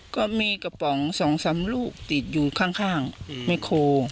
ก็มีกระป๋อง๒๓ลูกติดอยู่ข้างแม่โค